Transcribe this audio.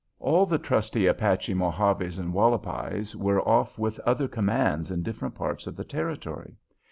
All the trusty Apache Mojaves and Hualpais were off with other commands in distant parts of the Territory.